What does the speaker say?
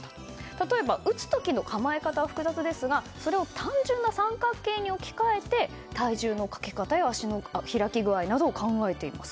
例えば打つ時の構え方は複雑ですがそれを単純な三角形に置き換えて体重のかけ方や足の開き具合などを考えています。